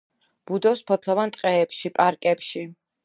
ბუდობს ფოთლოვან ტყეებში, პარკებში.